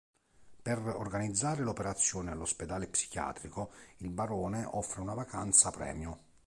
Per organizzare l'operazione all'ospedale psichiatrico, il Barone offre una vacanza premio.